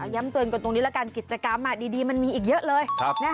ย้ำเตือนกันตรงนี้ละกันกิจกรรมดีมันมีอีกเยอะเลย